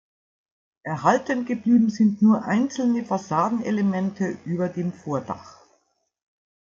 Erhalten geblieben sind nur einzelne Fassadenelemente über dem Vordach.